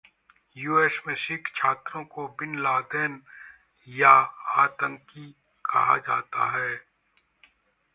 US में सिख छात्रों को बिन लादेन या आतंकी कहा जाता है